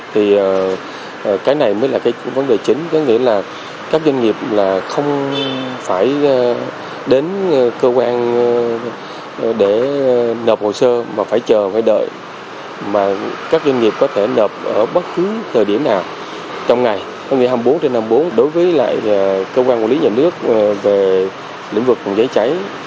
tỷ lệ hai mươi bốn trên hai mươi bốn đối với lại cơ quan quản lý nhà nước về lĩnh vực dạy cháy